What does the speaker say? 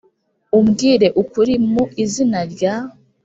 umbwire ukuri mu izina rya